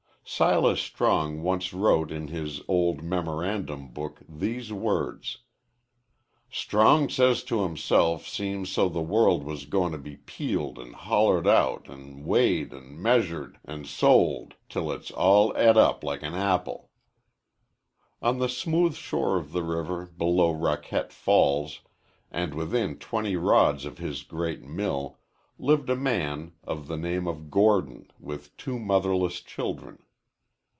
Silas Strong once wrote in his old memorandum book these words: "Strong says to himself seems so the world was goin' to be peeled an' hollered out an' weighed an' measured an' sold till it's all et up like an apple." On the smooth shore of the river below Raquette Falls, and within twenty rods of his great mill, lived a man of the name of Gordon with two motherless children.